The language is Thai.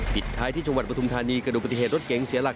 ปิดท้ายที่จังหวัดปฐุมธานีเกิดดูปฏิเหตุรถเก๋งเสียหลัก